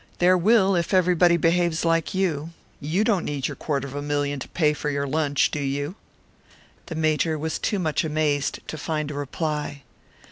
"There will, if everybody behaves like you. You don't need your quarter of a million to pay for your lunch, do you?" The Major was too much amazed to find a reply.